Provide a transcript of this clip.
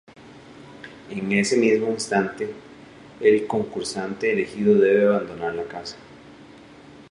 En ese mismo instante, el concursante elegido debe abandonar la casa.